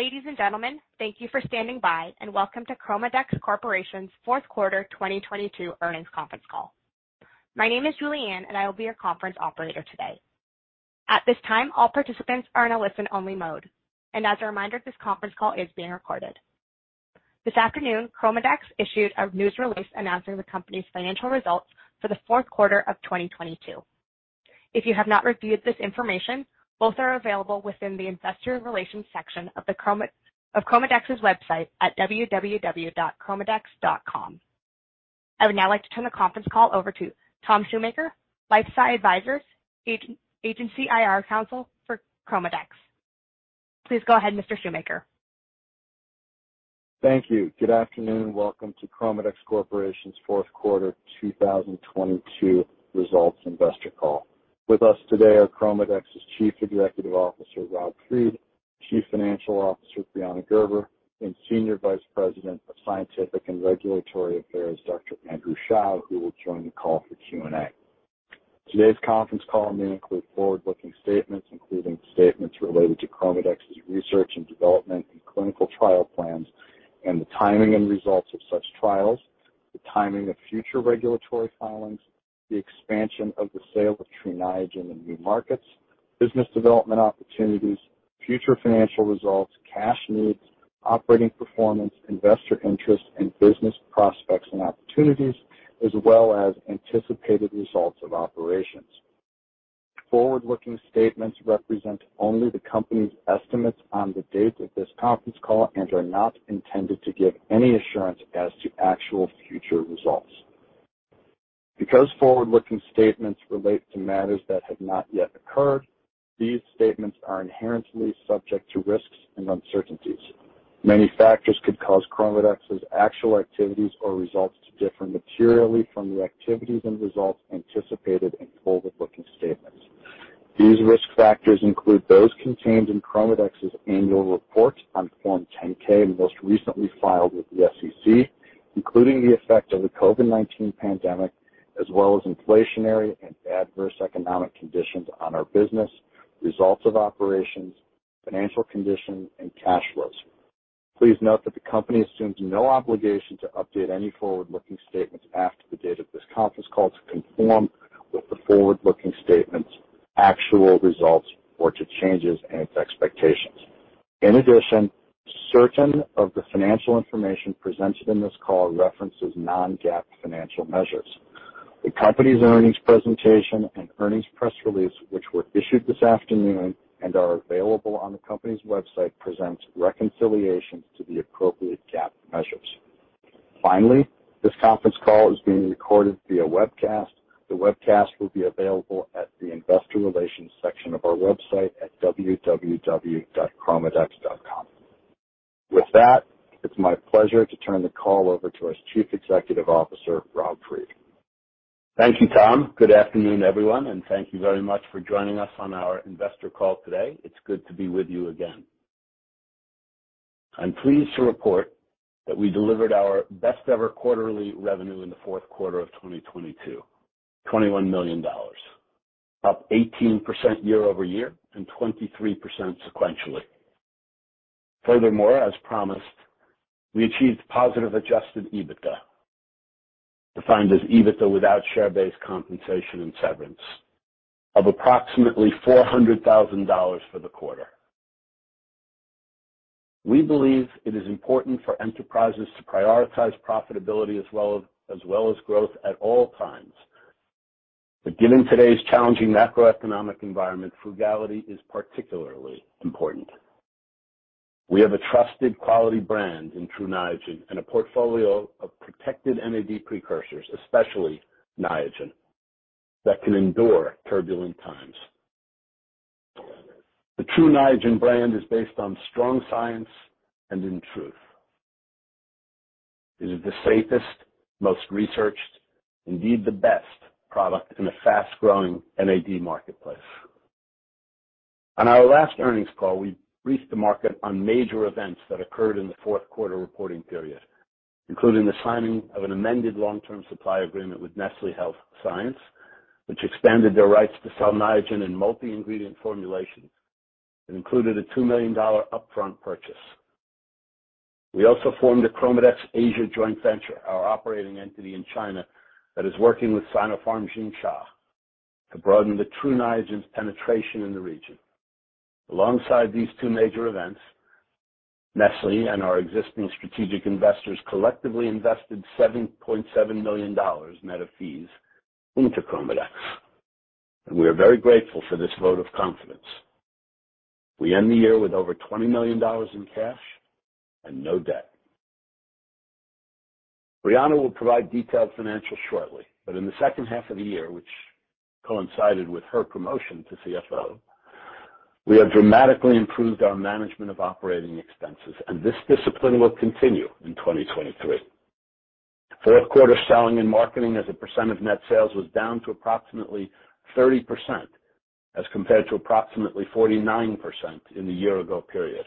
Ladies and gentlemen, thank you for standing by. Welcome to ChromaDex Corporation's Fourth Quarter 2022 Earnings Conference Call. My name is Julianne. I will be your conference operator today. At this time, all participants are in a listen-only mode. As a reminder, this conference call is being recorded. This afternoon, ChromaDex issued a news release announcing the company's financial results for the fourth quarter of 2022. If you have not reviewed this information, both are available within the investor relations section of ChromaDex's website at www.chromadex.com. I would now like to turn the conference call over to Tom Shumaker, LifeSci Advisors, agency IR counsel for ChromaDex. Please go ahead, Mr. Shumaker. Thank you. Good afternoon. Welcome to ChromaDex Corporation's Fourth Quarter 2022 Results Investor Call. With us today are ChromaDex's Chief Executive Officer, Rob Fried, Chief Financial Officer, Brianna Gerber, and Senior Vice President of Scientific and Regulatory Affairs, Dr. Andrew Shao, who will join the call for Q&A. Today's conference call may include forward-looking statements, including statements related to ChromaDex's research and development and clinical trial plans and the timing and results of such trials, the timing of future regulatory filings, the expansion of the sale of Tru Niagen in the new markets, business development opportunities, future financial results, cash needs, operating performance, investor interest, and business prospects and opportunities, as well as anticipated results of operations. Forward-looking statements represent only the company's estimates on the date of this conference call and are not intended to give any assurance as to actual future results. Because forward-looking statements relate to matters that have not yet occurred, these statements are inherently subject to risks and uncertainties. Many factors could cause ChromaDex's actual activities or results to differ materially from the activities and results anticipated in forward-looking statements. These risk factors include those contained in ChromaDex's annual report on Form 10-K and most recently filed with the SEC, including the effect of the COVID-19 pandemic as well as inflationary and adverse economic conditions on our business, results of operations, financial condition, and cash flows. Please note that the company assumes no obligation to update any forward-looking statements after the date of this conference call to conform with the forward-looking statements, actual results, or to changes in its expectations. In addition, certain of the financial information presented in this call references non-GAAP financial measures. The company's earnings presentation and earnings press release, which were issued this afternoon and are available on the company's website, presents reconciliations to the appropriate GAAP measures. Finally, this conference call is being recorded via webcast. The webcast will be available at the investor relations section of our website at www.chromadex.com. With that, it's my pleasure to turn the call over to our Chief Executive Officer, Rob Fried. Thank you, Tom. Good afternoon, everyone, thank you very much for joining us on our investor call today. It's good to be with you again. I'm pleased to report that we delivered our best ever quarterly revenue in the fourth quarter of 2022, $21 million, up 18% year-over-year and 23% sequentially. As promised, we achieved positive adjusted EBITDA, defined as EBITDA without share-based compensation and severance of approximately $400,000 for the quarter. We believe it is important for enterprises to prioritize profitability as well as growth at all times. Given today's challenging macroeconomic environment, frugality is particularly important. We have a trusted quality brand in Tru Niagen and a portfolio of protected NAD precursors, especially Niagen, that can endure turbulent times. The Tru Niagen brand is based on strong science. In truth, it is the safest, most researched, indeed the best product in a fast-growing NAD marketplace. On our last earnings call, we briefed the market on major events that occurred in the fourth quarter reporting period, including the signing of an amended long-term supply agreement with Nestlé Health Science, which expanded their rights to sell Niagen in multi-ingredient formulations and included a $2 million upfront purchase. We also formed a ChromaDex Asia joint venture, our operating entity in China that is working with Sinopharm Xingsha to broaden the Tru Niagen's penetration in the region. Alongside these two major events, Nestlé and our existing strategic investors collectively invested $7.7 million net of fees into ChromaDex. We are very grateful for this vote of confidence. We end the year with over $20 million in cash and no debt. Brianna Gerber will provide detailed financials shortly. In the second half of the year, which coincided with her promotion to CFO, we have dramatically improved our management of operating expenses. This discipline will continue in 2023. Fourth quarter selling and marketing as a percent of net sales was down to approximately 30% as compared to approximately 49% in the year ago period.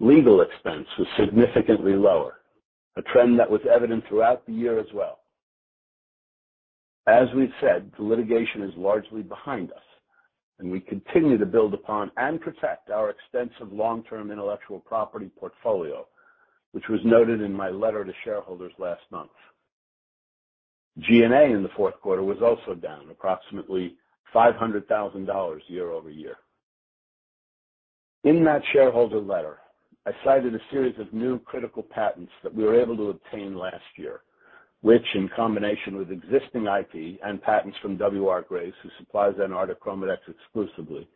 Legal expense was significantly lower, a trend that was evident throughout the year as well. As we've said, the litigation is largely behind us and we continue to build upon and protect our extensive long-term intellectual property portfolio, which was noted in my letter to shareholders last month. G&A in the fourth quarter was also down approximately $500,000 year-over-year. In that shareholder letter, I cited a series of new critical patents that we were able to obtain last year, which in combination with existing IP and patents from W.R. Grace, who supplies NR to ChromaDex exclusively,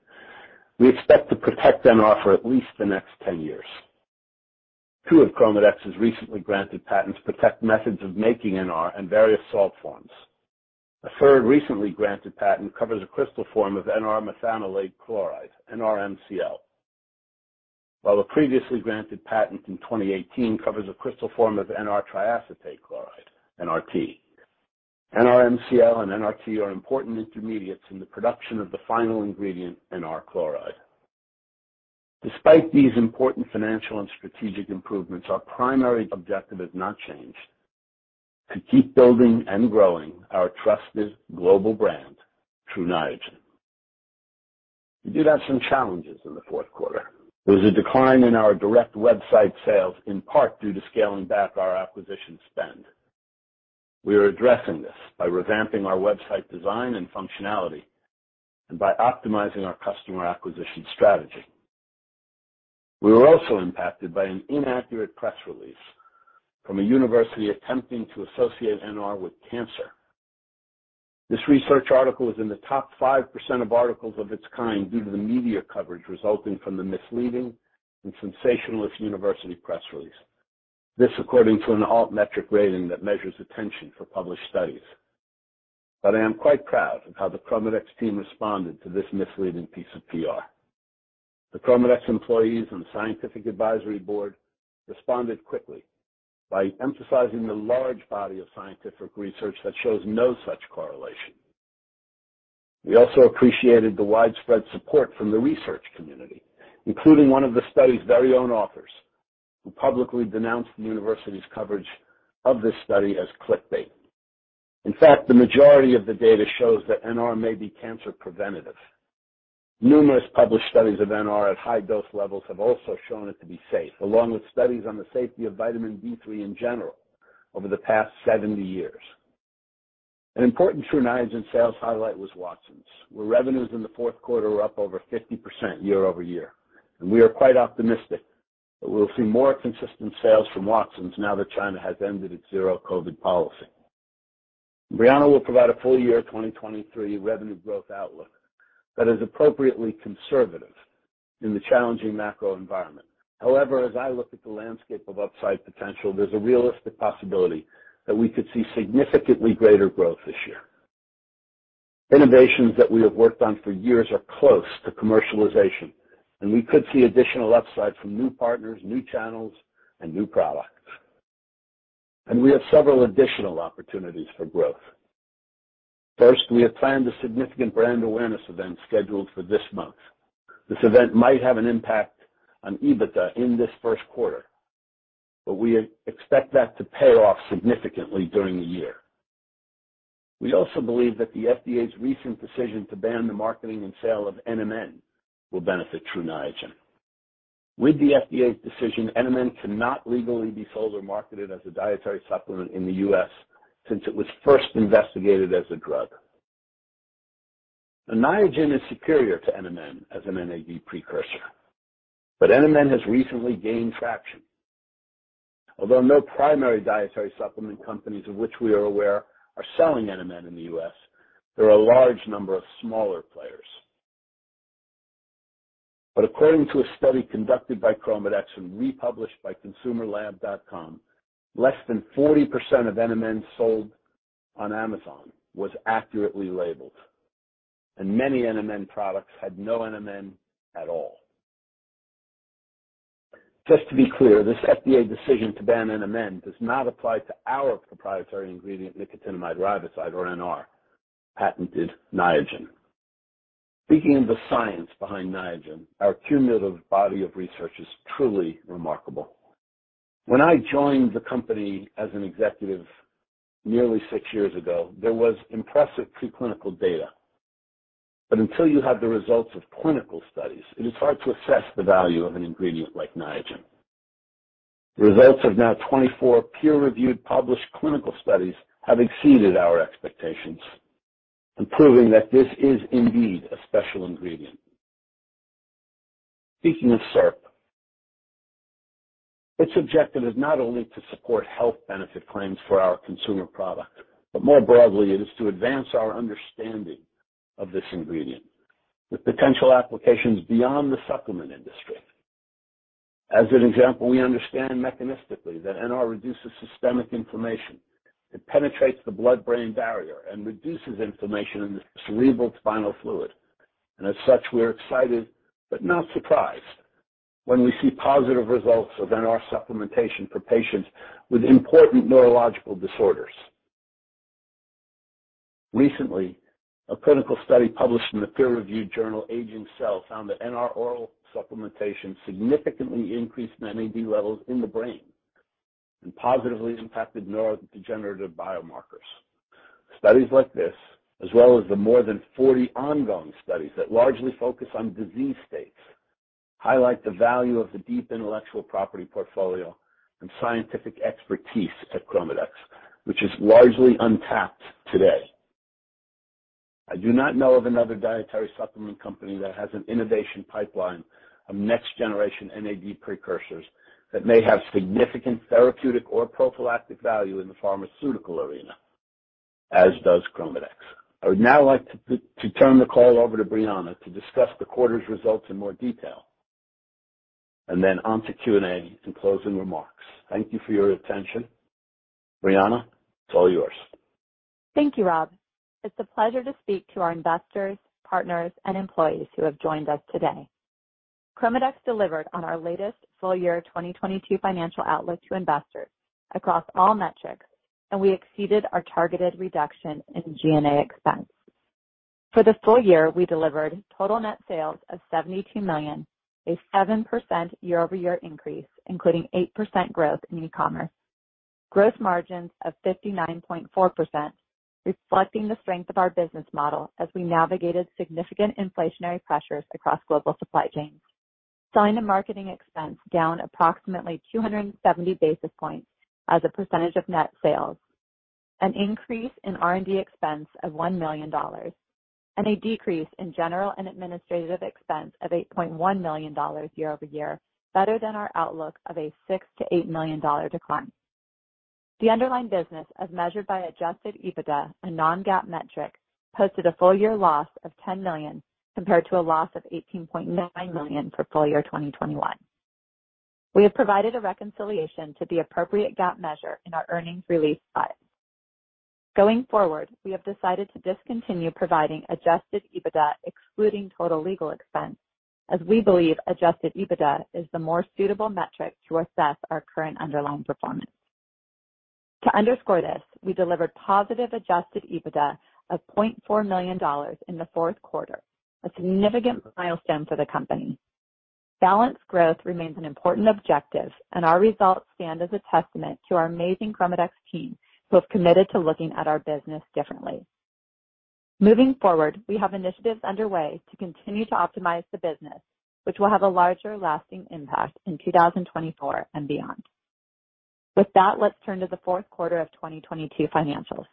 we expect to protect NR for at least the next 10 years. Two of ChromaDex's recently granted patents protect methods of making NR and various salt forms. A third recently granted patent covers a crystal form of NR methanolate chloride, NRMCl. A previously granted patent in 2018 covers a crystal form of NR triacetate chloride, NRT. NRMCl and NRT are important intermediates in the production of the final ingredient, NR Chloride. Despite these important financial and strategic improvements, our primary objective has not changed. To keep building and growing our trusted global brand, Tru Niagen. We did have some challenges in the fourth quarter. There was a decline in our direct website sales, in part due to scaling back our acquisition spend. We are addressing this by revamping our website design and functionality and by optimizing our customer acquisition strategy. We were also impacted by an inaccurate press release from a university attempting to associate NR with cancer. This research article is in the top 5% of articles of its kind due to the media coverage resulting from the misleading and sensationalist university press release. This according to an Altmetric rating that measures attention for published studies. I am quite proud of how the ChromaDex team responded to this misleading piece of PR. The ChromaDex employees and scientific advisory board responded quickly by emphasizing the large body of scientific research that shows no such correlation. We also appreciated the widespread support from the research community, including one of the study's very own authors, who publicly denounced the university's coverage of this study as clickbait. The majority of the data shows that NR may be cancer preventative. Numerous published studies of NR at high dose levels have also shown it to be safe, along with studies on the safety of vitamin D3 in general over the past 70 years. An important Tru Niagen sales highlight was Watsons, where revenues in the fourth quarter were up over 50% year-over-year. We are quite optimistic that we'll see more consistent sales from Watsons now that China has ended its zero-COVID policy. Brianna will provide a full year 2023 revenue growth outlook that is appropriately conservative in the challenging macro environment. However, as I look at the landscape of upside potential, there's a realistic possibility that we could see significantly greater growth this year. Innovations that we have worked on for years are close to commercialization, and we could see additional upside from new partners, new channels, and new products. We have several additional opportunities for growth. First, we have planned a significant brand awareness event scheduled for this month. This event might have an impact on EBITDA in this first quarter, but we expect that to pay off significantly during the year. We also believe that the FDA's recent decision to ban the marketing and sale of NMN will benefit Tru Niagen. With the FDA's decision, NMN cannot legally be sold or marketed as a dietary supplement in the U.S. since it was first investigated as a drug. Niagen is superior to NMN as an NAD precursor, but NMN has recently gained traction. Although no primary dietary supplement companies of which we are aware are selling NMN in the U.S., there are a large number of smaller players. According to a study conducted by ChromaDex and republished by ConsumerLab.com, less than 40% of NMN sold on Amazon was accurately labeled, and many NMN products had no NMN at all. Just to be clear, this FDA decision to ban NMN does not apply to our proprietary ingredient, nicotinamide riboside or NR, patented Niagen. Speaking of the science behind Niagen, our cumulative body of research is truly remarkable. When I joined the company as an executive nearly six years ago, there was impressive preclinical data. Until you have the results of clinical studies, it is hard to assess the value of an ingredient like Niagen. The results of now 24 peer-reviewed published clinical studies have exceeded our expectations in proving that this is indeed a special ingredient. Speaking of CERP, its objective is not only to support health benefit claims for our consumer product, but more broadly, it is to advance our understanding of this ingredient with potential applications beyond the supplement industry. As an example, we understand mechanistically that NR reduces systemic inflammation. It penetrates the blood-brain barrier and reduces inflammation in the cerebral spinal fluid. As such, we're excited but not surprised when we see positive results of NR supplementation for patients with important neurological disorders. Recently, a clinical study published in the peer-reviewed journal Aging Cell found that NR oral supplementation significantly increased NAD levels in the brain. Positively impacted neurodegenerative biomarkers. Studies like this, as well as the more than 40 ongoing studies that largely focus on disease states, highlight the value of the deep intellectual property portfolio and scientific expertise at ChromaDex, which is largely untapped today. I do not know of another dietary supplement company that has an innovation pipeline of next generation NAD precursors that may have significant therapeutic or prophylactic value in the pharmaceutical arena, as does ChromaDex. I would now like to turn the call over to Brianna to discuss the quarter's results in more detail. On to Q&A and closing remarks. Thank you for your attention. Brianna, it's all yours. Thank you, Rob. It's a pleasure to speak to our investors, partners, and employees who have joined us today. ChromaDex delivered on our latest full year 2022 financial outlook to investors across all metrics, and we exceeded our targeted reduction in G&A expense. For the full year, we delivered total net sales of $72 million, a 7% year-over-year increase, including 8% growth in e-commerce. Gross margins of 59.4%, reflecting the strength of our business model as we navigated significant inflationary pressures across global supply chains. Selling and marketing expense down approximately 270 basis points as a percentage of net sales. An increase in R&D expense of $1 million, and a decrease in general and administrative expense of $8.1 million year-over-year, better than our outlook of a $6 million-$8 million decline. The underlying business, as measured by adjusted EBITDA, a non-GAAP metric, posted a full-year loss of $10 million compared to a loss of $18.9 million for full year 2021. We have provided a reconciliation to the appropriate GAAP measure in our earnings release file. Going forward, we have decided to discontinue providing adjusted EBITDA excluding total legal expense as we believe adjusted EBITDA is the more suitable metric to assess our current underlying performance. To underscore this, we delivered positive adjusted EBITDA of $0.4 million in the fourth quarter, a significant milestone for the ChromaDex Corporation. Balanced growth remains an important objective, and our results stand as a testament to our amazing ChromaDex team who have committed to looking at our business differently. Moving forward, we have initiatives underway to continue to optimize the business, which will have a larger lasting impact in 2024 and beyond. With that, let's turn to the fourth quarter of 2022 financials.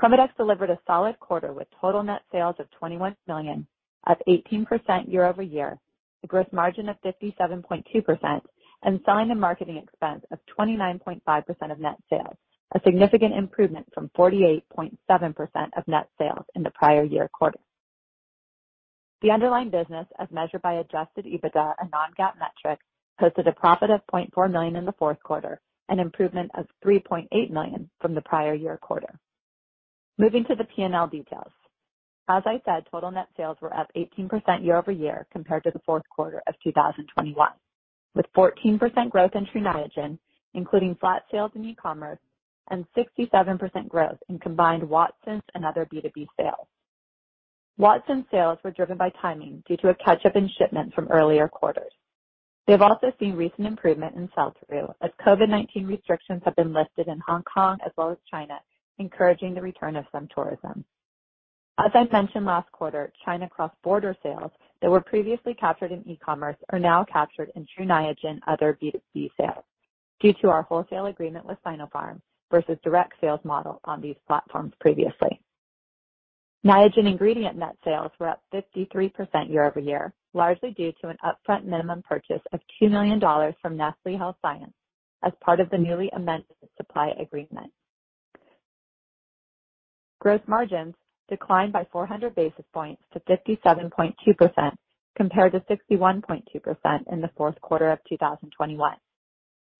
ChromaDex delivered a solid quarter with total net sales of $21 million, up 18% year-over-year. The gross margin of 57.2% and selling and marketing expense of 29.5% of net sales, a significant improvement from 48.7% of net sales in the prior year quarter. The underlying business, as measured by adjusted EBITDA, a non-GAAP metric, posted a profit of $0.4 million in the fourth quarter, an improvement of $3.8 million from the prior year quarter. Moving to the P&L details. As I said, total net sales were up 18% year-over-year compared to the fourth quarter of 2021, with 14% growth in Tru Niagen, including flat sales in e-commerce and 67% growth in combined Watsons and other B2B sales. Watsons sales were driven by timing due to a catch-up in shipment from earlier quarters. They've also seen recent improvement in sell-through as COVID-19 restrictions have been lifted in Hong Kong as well as China, encouraging the return of some tourism. As I mentioned last quarter, China cross-border sales that were previously captured in e-commerce are now captured in Tru Niagen other B2C sales due to our wholesale agreement with Sinopharm versus direct sales model on these platforms previously. Niagen ingredient net sales were up 53% year-over-year, largely due to an upfront minimum purchase of $2 million from Nestlé Health Science as part of the newly amended supply agreement. Gross margins declined by 400 basis points to 57.2% compared to 61.2% in the fourth quarter of 2021.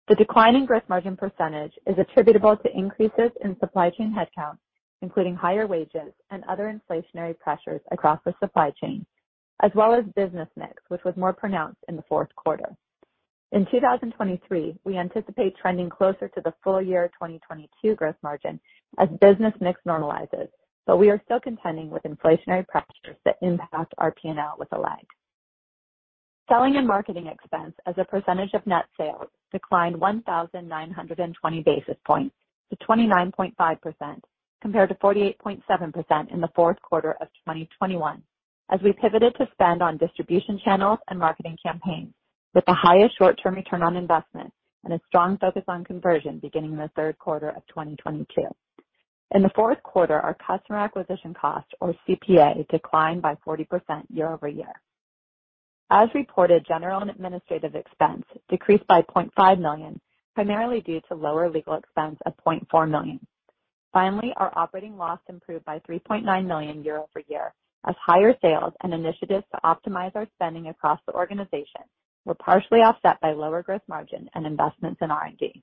The decline in gross margin percentage is attributable to increases in supply chain headcount, including higher wages and other inflationary pressures across the supply chain, as well as business mix, which was more pronounced in the fourth quarter. In 2023, we anticipate trending closer to the full year 2022 growth margin as business mix normalizes, we are still contending with inflationary pressures that impact our P&L with a lag. Selling and marketing expense as a percentage of net sales declined 1,920 basis points to 29.5% compared to 48.7% in the fourth quarter of 2021 as we pivoted to spend on distribution channels and marketing campaigns with the highest short-term ROI and a strong focus on conversion beginning in the third quarter of 2022. In the fourth quarter, our customer acquisition cost, or CPA, declined by 40% year-over-year. As reported, general and administrative expense decreased by $0.5 million, primarily due to lower legal expense of $0.4 million. Finally, our operating loss improved by $3.9 million year-over-year as higher sales and initiatives to optimize our spending across the organization were partially offset by lower gross margin and investments in R&D.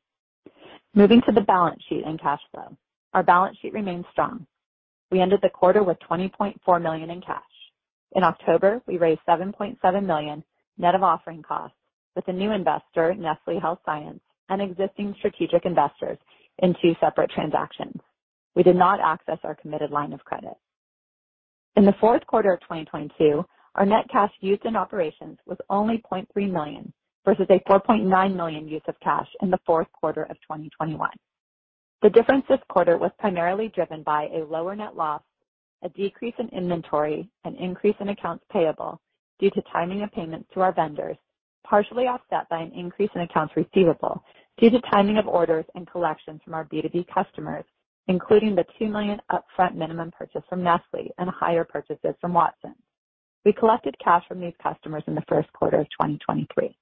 Moving to the balance sheet and cash flow. Our balance sheet remains strong. We ended the quarter with $20.4 million in cash. In October, we raised $7.7 million net of offering costs with a new investor, Nestlé Health Science, and existing strategic investors in two separate transactions. We did not access our committed line of credit. In the fourth quarter of 2022, our net cash used in operations was only $0.3 million, versus a $4.9 million use of cash in the fourth quarter of 2021. The difference this quarter was primarily driven by a lower net loss, a decrease in inventory, an increase in accounts payable due to timing of payments to our vendors, partially offset by an increase in accounts receivable due to timing of orders and collections from our B2B customers, including the $2 million upfront minimum purchase from Nestlé and higher purchases from Watsons. We collected cash from these customers in the first quarter of 2023.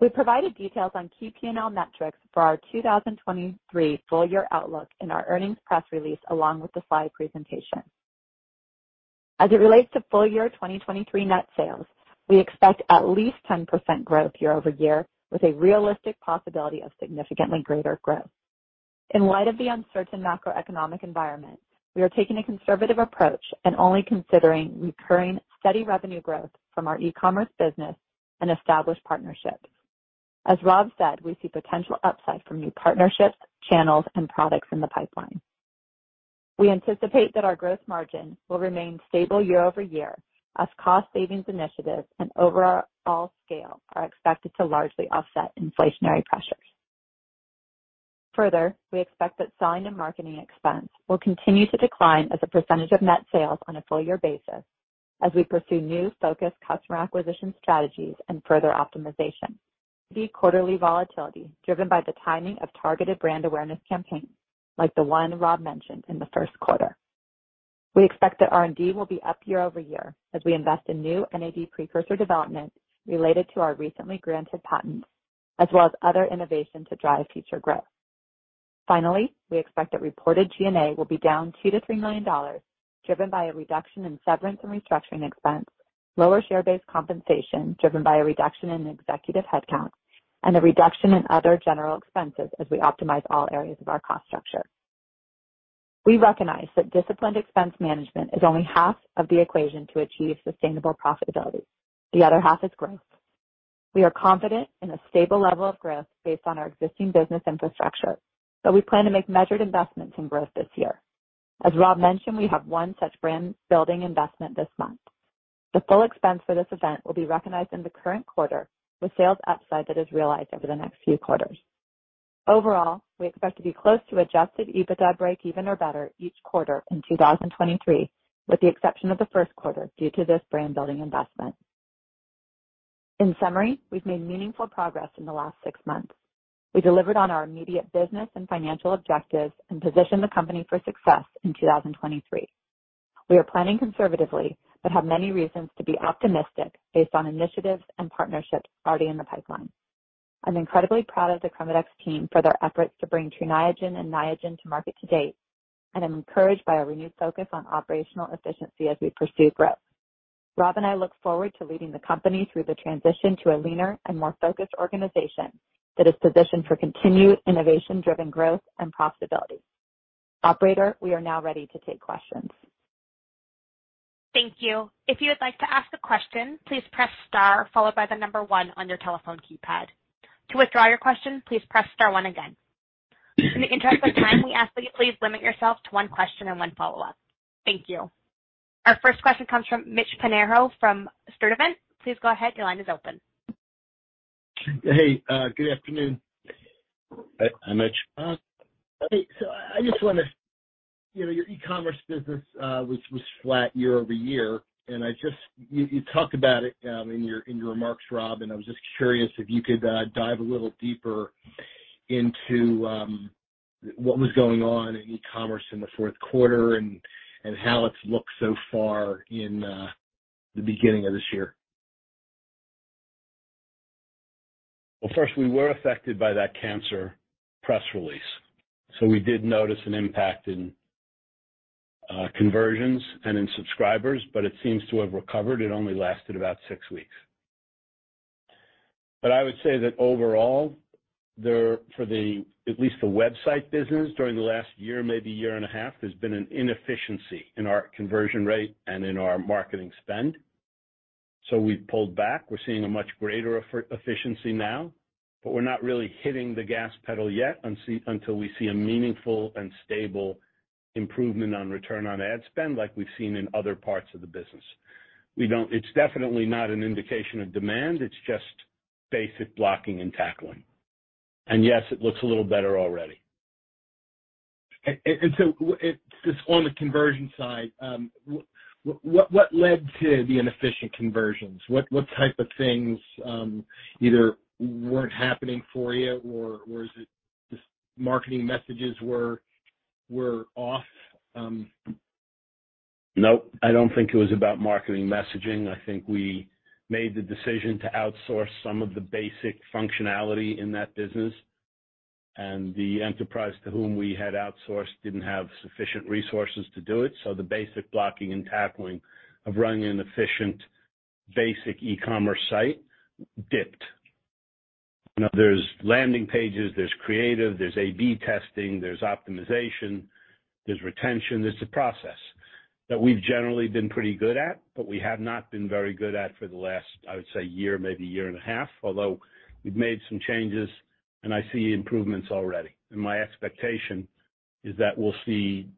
We provided details on key PNL metrics for our 2023 full year outlook in our earnings press release along with the slide presentation. As it relates to full year 2023 net sales, we expect at least 10% growth year-over-year, with a realistic possibility of significantly greater growth. In light of the uncertain macroeconomic environment, we are taking a conservative approach and only considering recurring steady revenue growth from our e-commerce business and established partnerships. As Rob said, we see potential upside from new partnerships, channels and products in the pipeline. We anticipate that our growth margin will remain stable year-over-year as cost savings initiatives and overall scale are expected to largely offset inflationary pressures. Further, we expect that sales and marketing expense will continue to decline as a percentage of net sales on a full year basis as we pursue new focused customer acquisition strategies and further optimization. The quarterly volatility driven by the timing of targeted brand awareness campaigns like the one Rob mentioned in the first quarter. We expect that R&D will be up year-over-year as we invest in new NAD precursor development related to our recently granted patents, as well as other innovation to drive future growth. Finally, we expect that reported G&A will be down $2 million-$3 million, driven by a reduction in severance and restructuring expense, lower share-based compensation driven by a reduction in executive headcount, and a reduction in other general expenses as we optimize all areas of our cost structure. We recognize that disciplined expense management is only half of the equation to achieve sustainable profitability. The other half is growth. We are confident in a stable level of growth based on our existing business infrastructure, we plan to make measured investments in growth this year. As Rob mentioned, we have one such brand-building investment this month. The full expense for this event will be recognized in the current quarter with sales upside that is realized over the next few quarters. Overall, we expect to be close to adjusted EBITDA breakeven or better each quarter in 2023, with the exception of the first quarter due to this brand building investment. In summary, we've made meaningful progress in the last six months. We delivered on our immediate business and financial objectives and positioned the company for success in 2023. We are planning conservatively, but have many reasons to be optimistic based on initiatives and partnerships already in the pipeline. I'm incredibly proud of the ChromaDex team for their efforts to bring Tru Niagen and Niagen to market to date, and I'm encouraged by our renewed focus on operational efficiency as we pursue growth. Rob and I look forward to leading the company through the transition to a leaner and more focused organization that is positioned for continued innovation driven growth and profitability. Operator, we are now ready to take questions. Thank you. If you would like to ask a question, please press star followed by the number one on your telephone keypad. To withdraw your question, please press star one again. In the interest of time, we ask that you please limit yourself to one question and one follow-up. Thank you. Our first question comes from Mitch Pinheiro from Sturdivant. Please go ahead. Your line is open. Hey, good afternoon. Hi, Mitch. You know, your e-commerce business was flat year-over-year. I just, you talked about it in your remarks, Rob, and I was just curious if you could dive a little deeper into what was going on in e-commerce in the fourth quarter and how it's looked so far in the beginning of this year? First, we were affected by that cancer press release, so we did notice an impact in conversions and in subscribers, but it seems to have recovered. It only lasted about six weeks. I would say that overall, there, for the, at least the website business during the last year, maybe year and a half, there's been an inefficiency in our conversion rate and in our marketing spend. We've pulled back. We're seeing a much greater efficiency now, but we're not really hitting the gas pedal yet until we see a meaningful and stable improvement on return on ad spend like we've seen in other parts of the business. It's definitely not an indication of demand. It's just basic blocking and tackling. Yes, it looks a little better already. It's on the conversion side, what led to the inefficient conversions? What type of things, either weren't happening for you or is it just marketing messages were off? Nope. I don't think it was about marketing messaging. I think we made the decision to outsource some of the basic functionality in that business, and the enterprise to whom we had outsourced didn't have sufficient resources to do it. The basic blocking and tackling of running an efficient basic e-commerce site dipped. You know, there's landing pages, there's creative, there's A/B testing, there's optimization, there's retention. There's a process that we've generally been pretty good at, but we have not been very good at for the last, I would say year, maybe year and a half. Although we've made some changes. I see improvements already. My expectation is that we'll see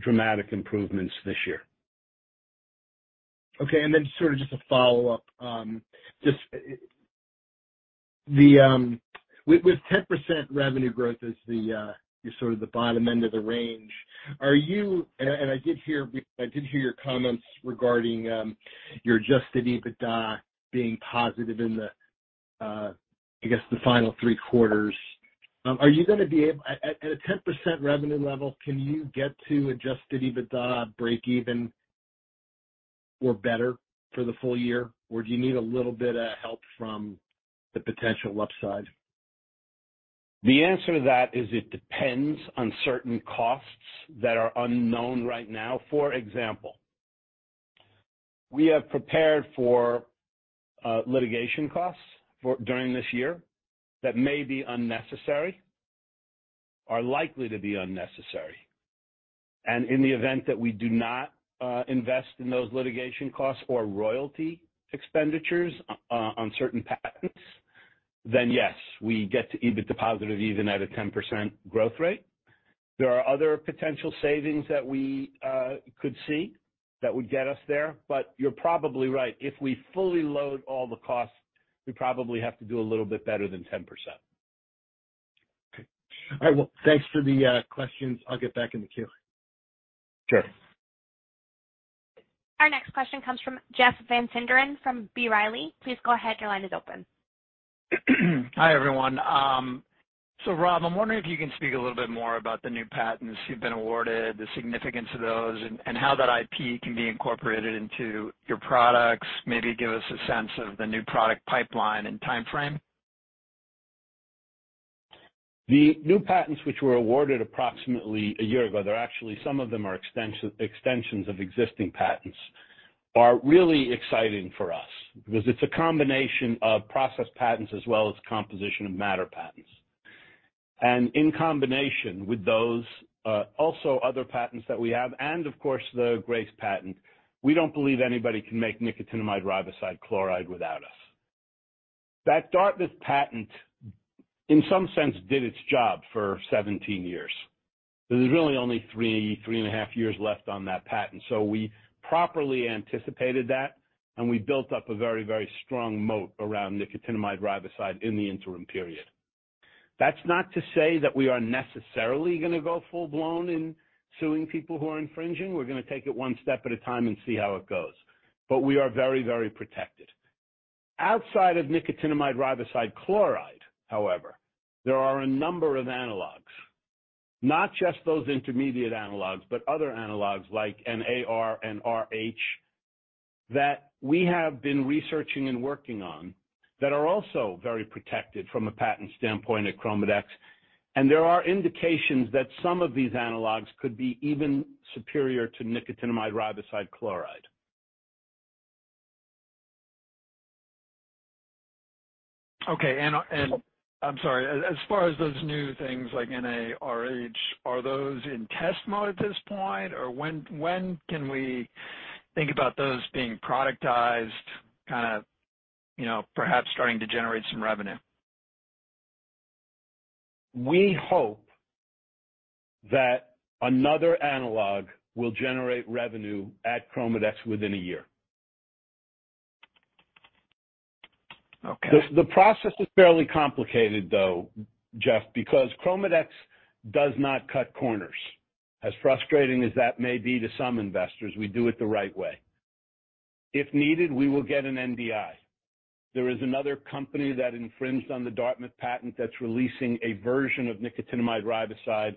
dramatic improvements this year. Okay. Then sort of just a follow-up. Just the with 10% revenue growth as the sort of the bottom end of the range, are you? I did hear your comments regarding your adjusted EBITDA being positive in the I guess, the final three quarters. Are you gonna be able at a 10% revenue level, can you get to adjusted EBITDA breakeven or better for the full year, or do you need a little bit of help from the potential upside? The answer to that is it depends on certain costs that are unknown right now. For example, we have prepared for litigation costs during this year that may be unnecessary, are likely to be unnecessary. In the event that we do not invest in those litigation costs or royalty expenditures on certain patents, then yes, we get to EBITDA positive even at a 10% growth rate. There are other potential savings that we could see that would get us there. You're probably right. If we fully load all the costs, we probably have to do a little bit better than 10%. Okay. All right. Well, thanks for the questions. I'll get back in the queue. Sure. Our next question comes from Jeff Van Sinderen from B. Riley. Please go ahead. Your line is open. Hi, everyone. Rob, I'm wondering if you can speak a little bit more about the new patents you've been awarded, the significance of those, and how that IP can be incorporated into your products. Maybe give us a sense of the new product pipeline and timeframe. The new patents, which were awarded approximately a year ago, they're actually, some of them are extensions of existing patents, are really exciting for us because it's a combination of process patents as well as composition of matter patents. In combination with those, also other patents that we have and of course, the Grace patent, we don't believe anybody can make nicotinamide riboside chloride without us. That Dartmouth patent, in some sense, did its job for 17 years. There's really only three and a half years left on that patent. We properly anticipated that, and we built up a very, very strong moat around nicotinamide riboside in the interim period. That's not to say that we are necessarily gonna go full-blown in suing people who are infringing. We're gonna take it one step at a time and see how it goes. We are very, very protected. Outside of nicotinamide riboside chloride, however, there are a number of analogs, not just those intermediate analogs, but other analogs like NAR and NRH, that we have been researching and working on that are also very protected from a patent standpoint at ChromaDex. There are indications that some of these analogs could be even superior to nicotinamide riboside chloride. Okay. I'm sorry. As far as those new things like NARH, are those in test mode at this point? Or when can we think about those being productized, kinda, you know, perhaps starting to generate some revenue? We hope that another analog will generate revenue at ChromaDex within a year. Okay. The process is fairly complicated, though, Jeff, because ChromaDex does not cut corners. As frustrating as that may be to some investors, we do it the right way. If needed, we will get an NDI. There is another company that infringed on the Dartmouth patent that's releasing a version of nicotinamide riboside.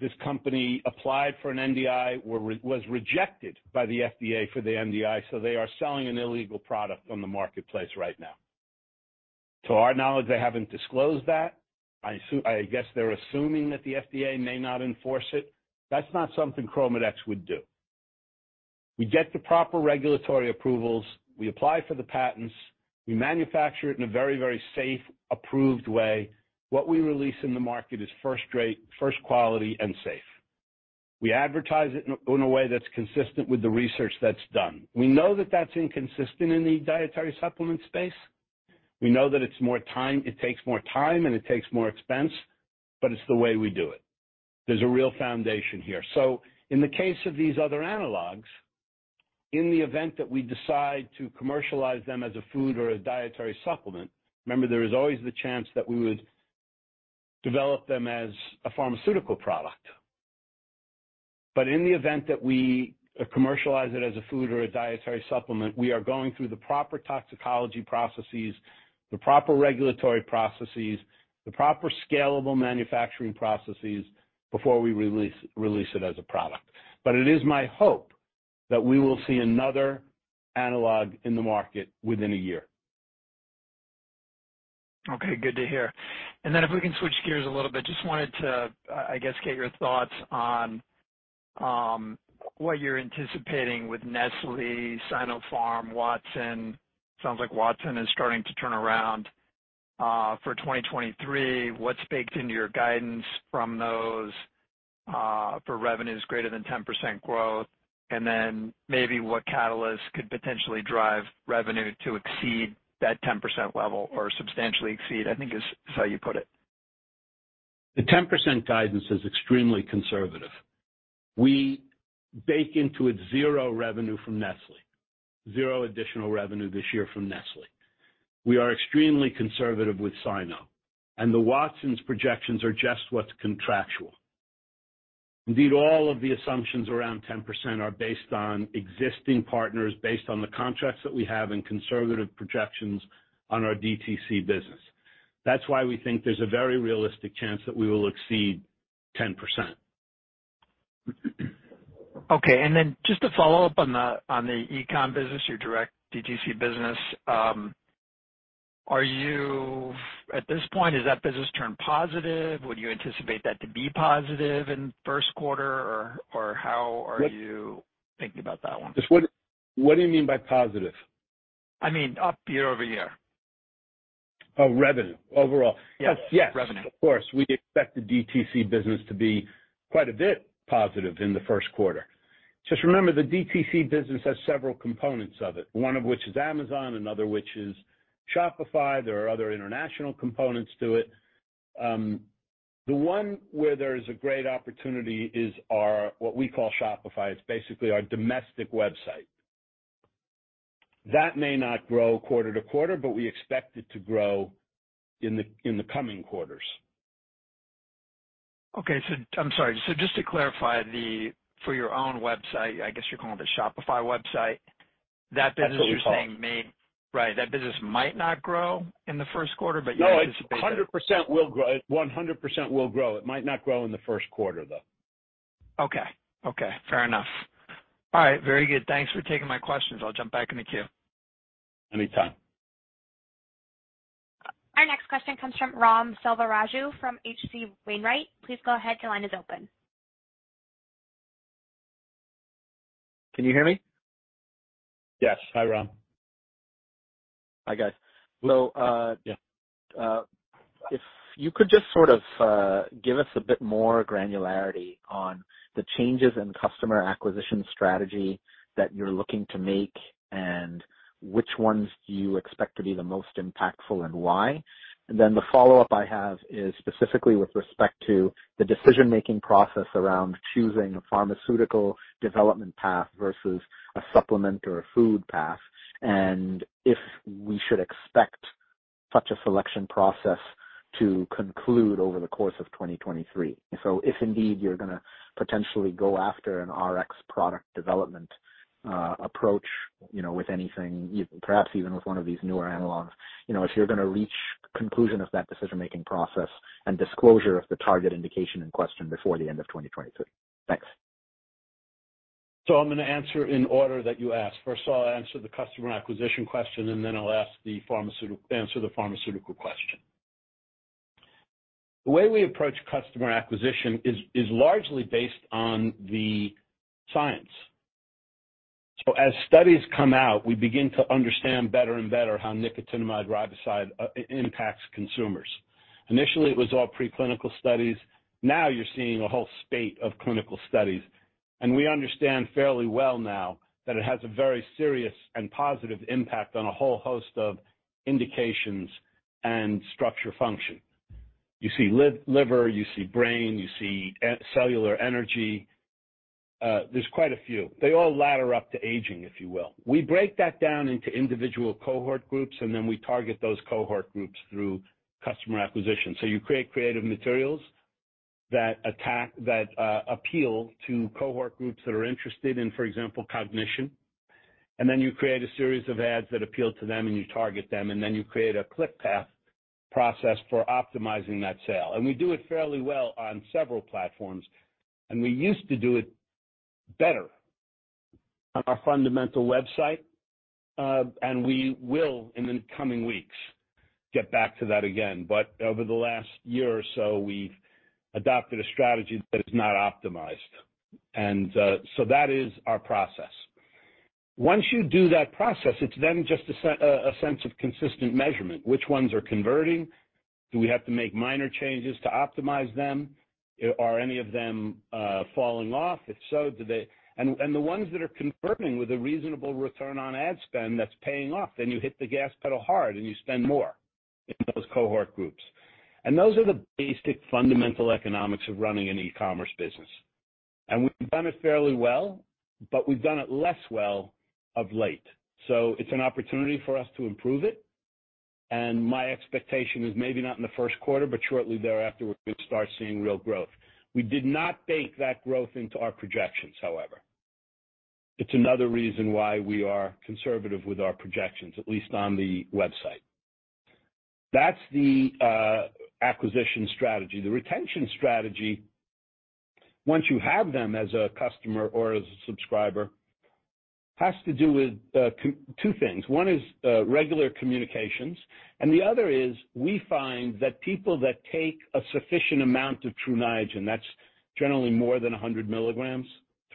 This company applied for an NDI, was rejected by the FDA for the NDI, so they are selling an illegal product on the marketplace right now. To our knowledge, they haven't disclosed that. I guess they're assuming that the FDA may not enforce it. That's not something ChromaDex would do. We get the proper regulatory approvals, we apply for the patents, we manufacture it in a very, very safe, approved way. What we release in the market is first-rate, first quality, and safe. We advertise it in a, in a way that's consistent with the research that's done. We know that that's inconsistent in the dietary supplement space. We know that it's more time, it takes more time, and it takes more expense, but it's the way we do it. There's a real foundation here. In the case of these other analogs, in the event that we decide to commercialize them as a food or a dietary supplement, remember, there is always the chance that we would develop them as a pharmaceutical product. In the event that we commercialize it as a food or a dietary supplement, we are going through the proper toxicology processes, the proper regulatory processes, the proper scalable manufacturing processes before we release it as a product. It is my hope that we will see another analog in the market within a year. Okay, good to hear. If we can switch gears a little bit, just wanted to, I guess, get your thoughts on what you're anticipating with Nestlé, Sinopharm, Watsons. Sounds like Watsons is starting to turn around for 2023. What's baked into your guidance from those? For revenues greater than 10% growth, maybe what catalyst could potentially drive revenue to exceed that 10% level or substantially exceed, I think is how you put it. The 10% guidance is extremely conservative. We bake into it zero revenue from Nestlé. Zero additional revenue this year from Nestlé. We are extremely conservative with Sino, and the Watsons projections are just what's contractual. Indeed, all of the assumptions around 10% are based on existing partners, based on the contracts that we have and conservative projections on our DTC business. That's why we think there's a very realistic chance that we will exceed 10%. Okay. Just to follow up on the e-com business, your direct DTC business, are you at this point, has that business turned positive? Would you anticipate that to be positive in first quarter? Or how are you thinking about that one? What do you mean by positive? I mean, up year-over-year. Oh, revenue overall. Yes. Revenue. Of course, we expect the DTC business to be quite a bit positive in the first quarter. Just remember, the DTC business has several components of it. One of which is Amazon, another which is Shopify. There are other international components to it. The one where there is a great opportunity is our, what we call Shopify. It's basically our domestic website. That may not grow quarter to quarter, but we expect it to grow in the, in the coming quarters. Okay. So I'm sorry. Just to clarify the, for your own website, I guess you're calling it Shopify website? That's what we call it. Right. That business might not grow in the first quarter, but you anticipate. No, it 100% will grow. It 100% will grow. It might not grow in the first quarter, though. Okay, fair enough. Very good. Thanks for taking my questions. I'll jump back in the queue. Anytime. Our next question comes from Ram Selvaraju from H.C. Wainwright. Please go ahead. Your line is open. Can you hear me? Yes. Hi, Ram. Hi, guys. Well, if you could just sort of, give us a bit more granularity on the changes in customer acquisition strategy that you're looking to make and which ones do you expect to be the most impactful and why. The follow-up I have is specifically with respect to the decision-making process around choosing a pharmaceutical development path versus a supplement or a food path, and if we should expect such a selection process to conclude over the course of 2023. If indeed you're gonna potentially go after an Rx product development approach, you know, with anything, perhaps even with one of these newer analogs, you know, if you're gonna reach conclusion of that decision-making process and disclosure of the target indication in question before the end of 2023. Thanks. I'm gonna answer in order that you asked. First of all, I'll answer the customer acquisition question, then I'll answer the pharmaceutical question. The way we approach customer acquisition is largely based on the science. As studies come out, we begin to understand better and better how nicotinamide riboside impacts consumers. Initially, it was all preclinical studies. Now you're seeing a whole spate of clinical studies, we understand fairly well now that it has a very serious and positive impact on a whole host of indications and structure function. You see liver, you see brain, you see cellular energy. There's quite a few. They all ladder up to aging, if you will. We break that down into individual cohort groups, then we target those cohort groups through customer acquisition. You create creative materials that appeal to cohort groups that are interested in, for example, cognition. Then you create a series of ads that appeal to them and you target them, then you create a click path process for optimizing that sale. We do it fairly well on several platforms, and we used to do it better on our fundamental website, and we will in the coming weeks get back to that again. Over the last year or so, we've adopted a strategy that is not optimized. That is our process. Once you do that process, it's then just a sense of consistent measurement. Which ones are converting? Do we have to make minor changes to optimize them? Are any of them falling off? If so, the ones that are converting with a reasonable return on ad spend that's paying off, you hit the gas pedal hard and you spend more in those cohort groups. Those are the basic fundamental economics of running an e-commerce business. We've done it fairly well, we've done it less well of late. It's an opportunity for us to improve it. My expectation is maybe not in the first quarter, shortly thereafter, we're gonna start seeing real growth. We did not bake that growth into our projections, however. It's another reason why we are conservative with our projections, at least on the website. That's the acquisition strategy. The retention strategy, once you have them as a customer or as a subscriber, has to do with two things. One is regular communications. The other is we find that people that take a sufficient amount of Tru Niagen, that's generally more than 100 mg,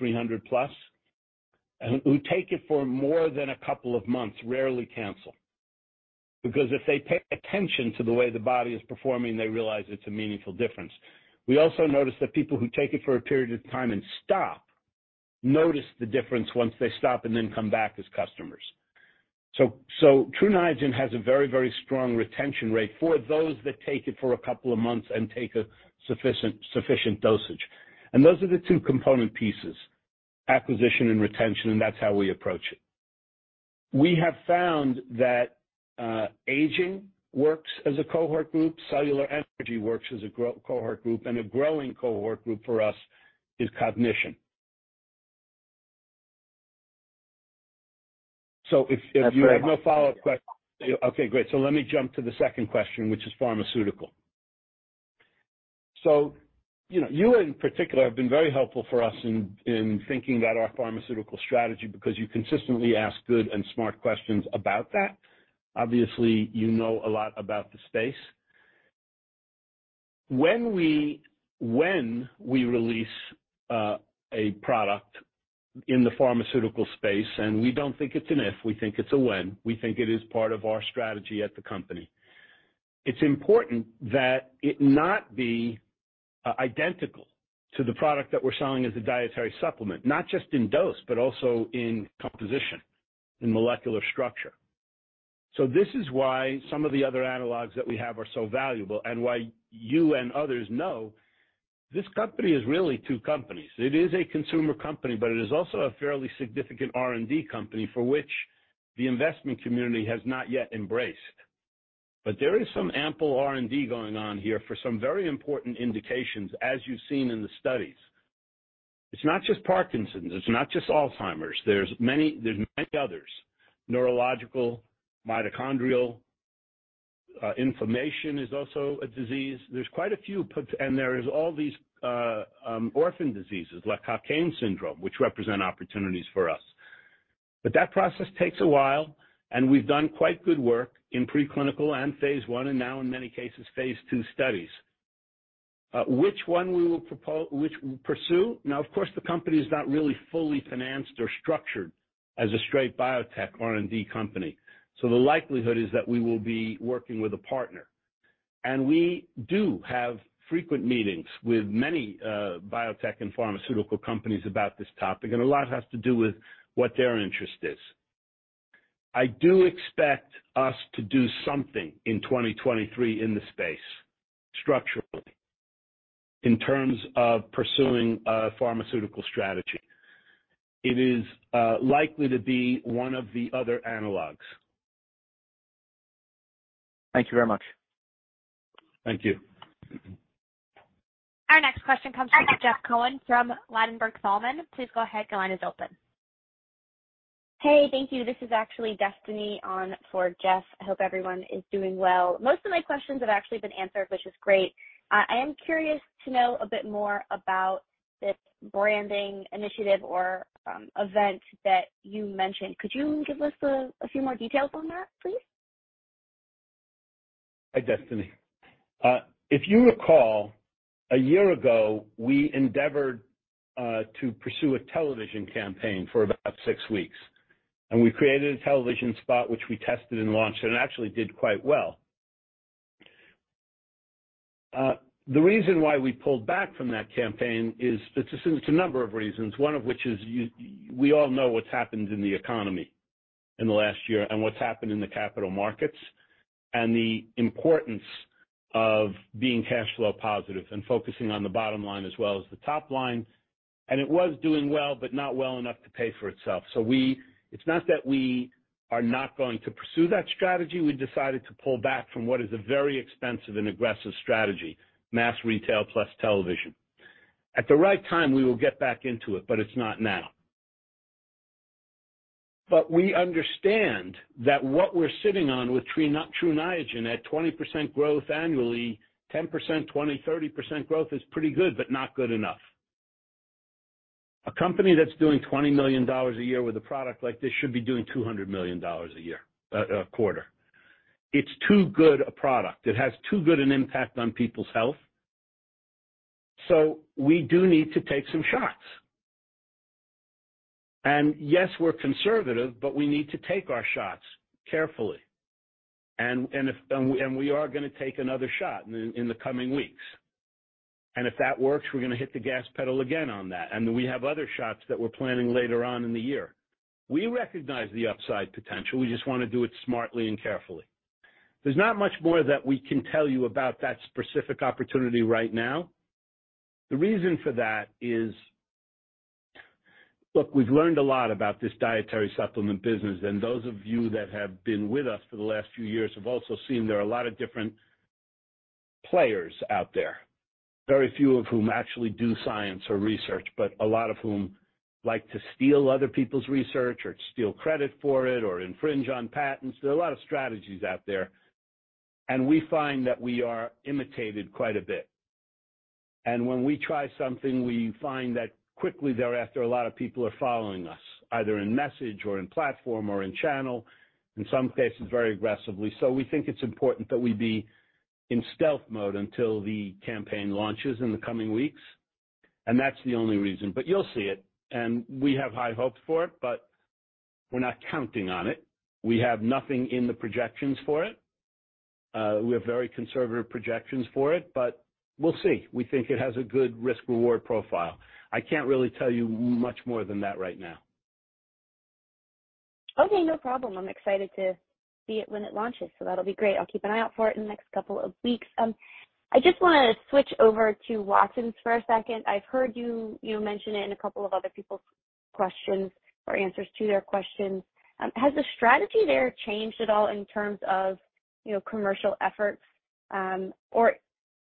300+, and who take it for more than a couple of months, rarely cancel. If they pay attention to the way the body is performing, they realize it's a meaningful difference. We also notice that people who take it for a period of time and stop, notice the difference once they stop and then come back as customers. Tru Niagen has a very, very strong retention rate for those that take it for a couple of months and take a sufficient dosage. Those are the two component pieces, acquisition and retention, and that's how we approach it. We have found that aging works as a cohort group, cellular energy works as a cohort group, and a growing cohort group for us is cognition. If you have no follow-up questions. Okay, great. Let me jump to the second question, which is pharmaceutical. You know, you in particular have been very helpful for us in thinking about our pharmaceutical strategy because you consistently ask good and smart questions about that. Obviously, you know a lot about the space. When we release a product in the pharmaceutical space, and we don't think it's an if, we think it's a when, we think it is part of our strategy at the company. It's important that it not be identical to the product that we're selling as a dietary supplement, not just in dose, but also in composition, in molecular structure. This is why some of the other analogs that we have are so valuable and why you and others know this company is really two companies. It is a consumer company, but it is also a fairly significant R&D company for which the investment community has not yet embraced. There is some ample R&D going on here for some very important indications, as you've seen in the studies. It's not just Parkinson's, it's not just Alzheimer's. There's many others. Neurological, mitochondrial, inflammation is also a disease. There's quite a few and there is all these orphan diseases like Cockayne syndrome, which represent opportunities for us. That process takes a while, and we've done quite good work in pre-clinical and phase I, and now in many cases, phase II studies. Which one we will pursue. Of course, the company is not really fully financed or structured as a straight biotech R&D company. The likelihood is that we will be working with a partner. We do have frequent meetings with many biotech and pharmaceutical companies about this topic, and a lot has to do with what their interest is. I do expect us to do something in 2023 in the space, structurally, in terms of pursuing a pharmaceutical strategy. It is likely to be one of the other analogs. Thank you very much. Thank you. Our next question comes from Jeff Cohen from Ladenburg Thalmann. Please go ahead. Your line is open. Hey, thank you. This is actually Destiny on for Jeff. I hope everyone is doing well. Most of my questions have actually been answered, which is great. I am curious to know a bit more about this branding initiative or event that you mentioned. Could you give us a few more details on that, please? Hi, Destiny. If you recall, a year ago, we endeavored to pursue a television campaign for about six weeks. We created a television spot which we tested and launched, and it actually did quite well. The reason why we pulled back from that campaign is statistics. A number of reasons, one of which is we all know what's happened in the economy in the last year and what's happened in the capital markets, and the importance of being cash flow positive and focusing on the bottom line as well as the top line. It was doing well, but not well enough to pay for itself. It's not that we are not going to pursue that strategy. We decided to pull back from what is a very expensive and aggressive strategy, mass retail plus television. At the right time, we will get back into it, but it's not now. We understand that what we're sitting on with Tru Niagen at 20% growth annually, 10%, 20, 30% growth is pretty good, but not good enough. A company that's doing $20 million a year with a product like this should be doing $200 million a year, a quarter. It's too good a product. It has too good an impact on people's health. We do need to take some shots. Yes, we're conservative, but we need to take our shots carefully. We are gonna take another shot in the coming weeks. If that works, we're gonna hit the gas pedal again on that. We have other shots that we're planning later on in the year. We recognize the upside potential. We just want to do it smartly and carefully. There's not much more that we can tell you about that specific opportunity right now. The reason for that is, look, we've learned a lot about this dietary supplement business, and those of you that have been with us for the last few years have also seen there are a lot of different players out there. Very few of whom actually do science or research, but a lot of whom like to steal other people's research or steal credit for it or infringe on patents. There are a lot of strategies out there, and we find that we are imitated quite a bit. When we try something, we find that quickly thereafter, a lot of people are following us, either in message or in platform or in channel, in some cases very aggressively. We think it's important that we be in stealth mode until the campaign launches in the coming weeks. That's the only reason. You'll see it, and we have high hopes for it, but we're not counting on it. We have nothing in the projections for it. We have very conservative projections for it, but we'll see. We think it has a good risk-reward profile. I can't really tell you much more than that right now. Okay, no problem. I'm excited to see it when it launches, so that'll be great. I'll keep an eye out for it in the next couple of weeks. I just wanna switch over to Watsons for a second. I've heard you know, mention it in a couple of other people's questions or answers to their questions. Has the strategy there changed at all in terms of, you know, commercial efforts,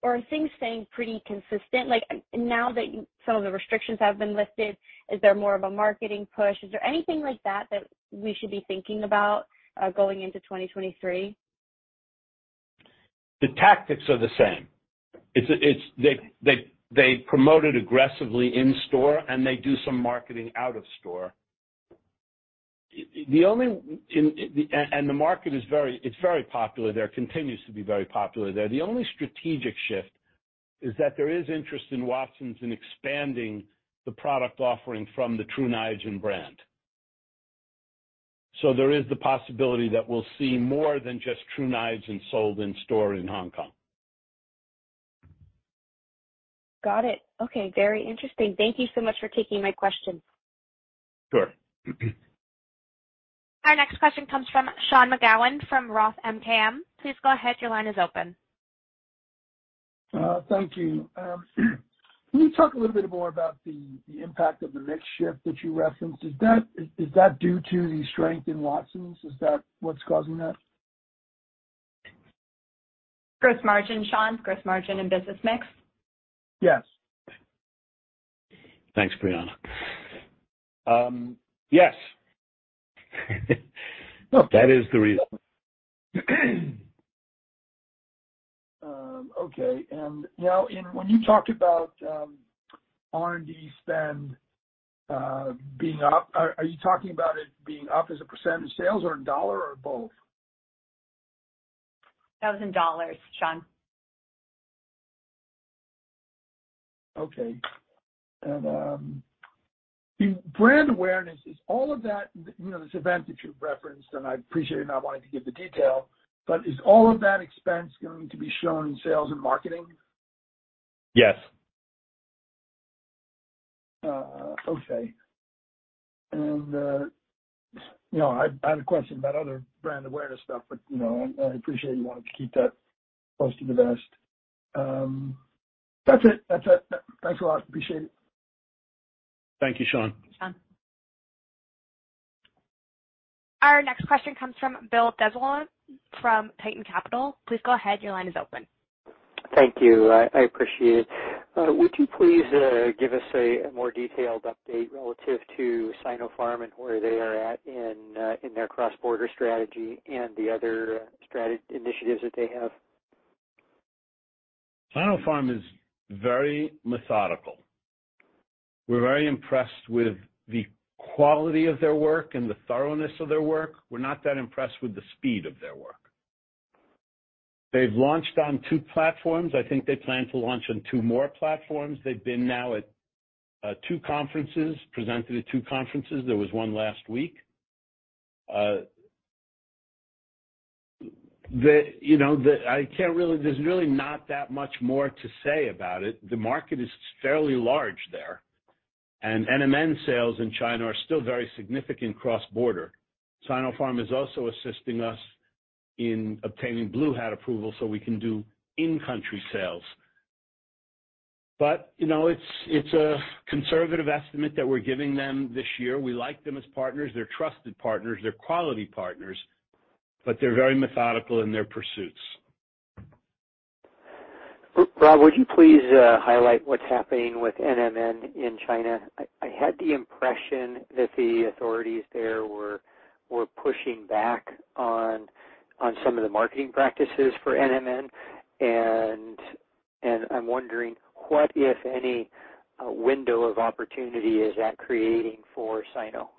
or are things staying pretty consistent? Like, now that some of the restrictions have been lifted, is there more of a marketing push? Is there anything like that that we should be thinking about going into 2023? The tactics are the same. It's. They promote it aggressively in store, and they do some marketing out of store. The market is very popular there, continues to be very popular there. The only strategic shift is that there is interest in Watsons in expanding the product offering from the Tru Niagen brand. There is the possibility that we'll see more than just Tru Niagen sold in-store in Hong Kong. Got it. Okay. Very interesting. Thank you so much for taking my question. Sure. Our next question comes from Sean McGowan from ROTH MKM. Please go ahead. Your line is open. Thank you. Can you talk a little bit more about the impact of the mix shift that you referenced? Is that due to the strength in Watsons? Is that what's causing that? Gross margin, Sean. Gross margin and business mix. Yes. Thanks, Brianna. Yes. That is the reason. Okay. Now when you talked about R&D spend being up, are you talking about it being up as a percentage sales or in dollar or both? That was in dollars, Sean. Okay. In brand awareness, is all of that, you know, this event that you've referenced, and I appreciate you not wanting to give the detail, but is all of that expense going to be shown in sales and marketing? Yes. Okay. You know, I have a question about other brand awareness stuff, but, you know, I appreciate you wanting to keep that close to the vest. That's it. That's it. Thanks a lot. Appreciate it. Thank you, Sean. Sean. Our next question comes from Bill Dezellem from Tieton Capital. Please go ahead. Your line is open. Thank you. I appreciate it. Would you please give us a more detailed update relative to Sinopharm and where they are at in their cross-border strategy and the other initiatives that they have? Sinopharm is very methodical. We're very impressed with the quality of their work and the thoroughness of their work. We're not that impressed with the speed of their work. They've launched on two platforms. I think they plan to launch on two more platforms. They've been now at two conferences, presented at two conferences. There was one last week. The, you know, the, there's really not that much more to say about it. The market is fairly large there, and NMN sales in China are still very significant cross-border. Sinopharm is also assisting us in obtaining blue hat approval so we can do in-country sales. You know, it's a conservative estimate that we're giving them this year. We like them as partners. They're trusted partners. They're quality partners, but they're very methodical in their pursuits. Rob, would you please highlight what's happening with NMN in China? I had the impression that the authorities there were pushing back on some of the marketing practices for NMN, and I'm wondering what, if any, window of opportunity is that creating for Sino?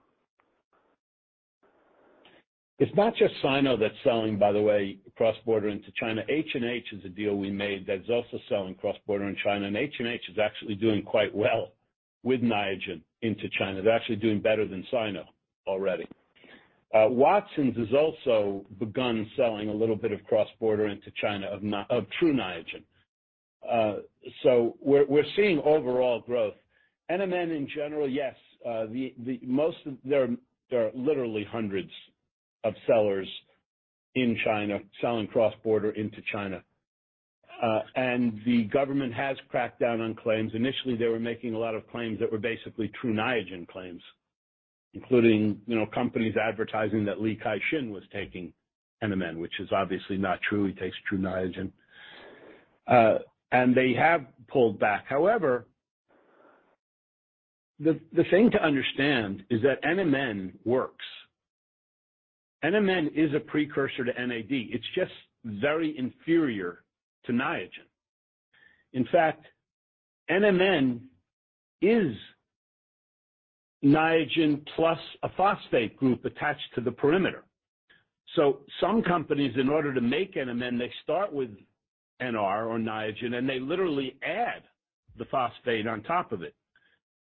It's not just Sino that's selling, by the way, cross-border into China. H&H is a deal we made that's also selling cross-border in China. H&H is actually doing quite well with Niagen into China. They're actually doing better than Sino already. Watsons has also begun selling a little bit of cross-border into China of Tru Niagen. We're seeing overall growth. NMN in general, yes. There are literally hundreds of sellers in China selling cross-border into China. The government has cracked down on claims. Initially, they were making a lot of claims that were basically Tru Niagen claims, including, you know, companies advertising that Li Ka-Shing was taking NMN, which is obviously not true. He takes Tru Niagen. They have pulled back. However, the thing to understand is that NMN works. NMN is a precursor to NAD. It's just very inferior to Niagen. In fact, NMN is Niagen plus a phosphate group attached to the perimeter. Some companies, in order to make NMN, they start with NR or Niagen, and they literally add the phosphate on top of it.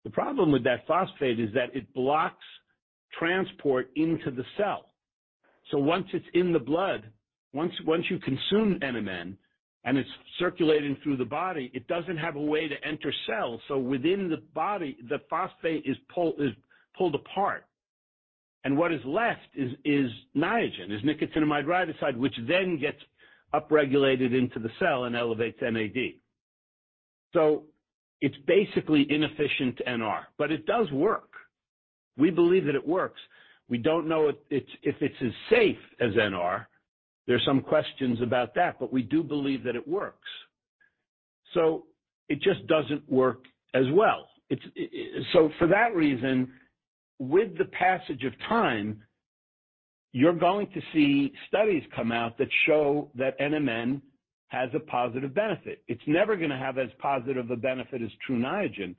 The problem with that phosphate is that it blocks transport into the cell. Once it's in the blood, once you consume NMN and it's circulating through the body, it doesn't have a way to enter cells. Within the body, the phosphate is pulled apart. What is left is Niagen, is nicotinamide riboside, which then gets upregulated into the cell and elevates NAD. It's basically inefficient NR, but it does work. We believe that it works. We don't know if it's as safe as NR. There's some questions about that, but we do believe that it works. It just doesn't work as well. For that reason, with the passage of time, you're going to see studies come out that show that NMN has a positive benefit. It's never going to have as positive a benefit as Tru Niagen,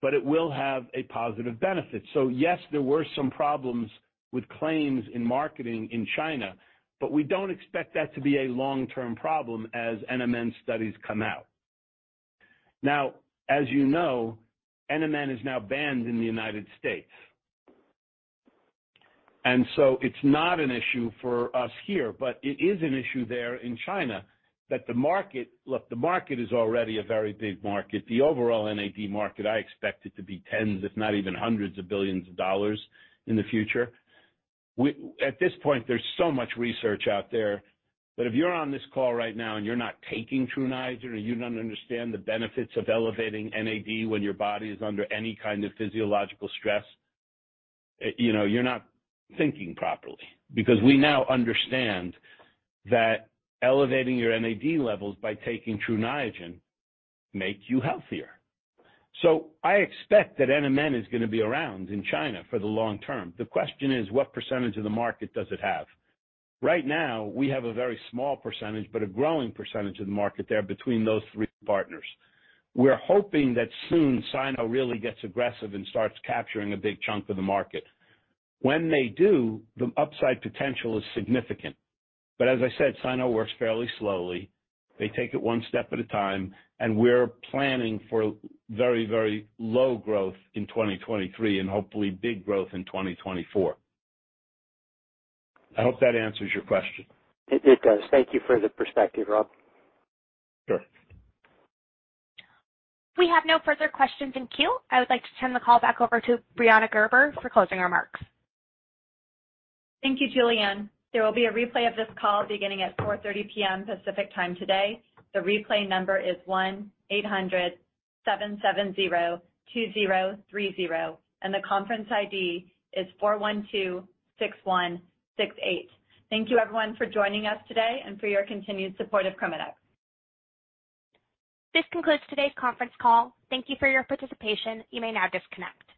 but it will have a positive benefit. Yes, there were some problems with claims in marketing in China, but we don't expect that to be a long-term problem as NMN studies come out. Now, as you know, NMN is now banned in the U.S. It's not an issue for us here, but it is an issue there in China that Look, the market is already a very big market. The overall NAD market, I expect it to be tens if not even hundreds of billions of dollars in the future. At this point, there's so much research out there that if you're on this call right now and you're not taking Tru Niagen or you don't understand the benefits of elevating NAD when your body is under any kind of physiological stress, you know, you're not thinking properly. We now understand that elevating your NAD levels by taking Tru Niagen make you healthier. I expect that NMN is gonna be around in China for the long term. The question is, what percentage of the market does it have? Right now, we have a very small percentage, but a growing percentage of the market there between those three partners. We're hoping that soon, Sino really gets aggressive and starts capturing a big chunk of the market. When they do, the upside potential is significant. As I said, Sino works fairly slowly. They take it one step at a time, and we're planning for very, very low growth in 2023 and hopefully big growth in 2024. I hope that answers your question. It does. Thank you for the perspective, Rob. Sure. We have no further questions in queue. I would like to turn the call back over to Brianna Gerber for closing remarks. Thank you, Julianne. There will be a replay of this call beginning at 4:30 P.M. Pacific Time today. The replay number is 1-800-770-2030. The conference ID is 4126168. Thank you everyone for joining us today and for your continued support of ChromaDex. This concludes today's conference call. Thank you for your participation. You may now disconnect.